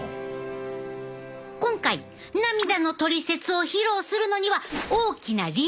今回涙のトリセツを披露するのには大きな理由があるねん。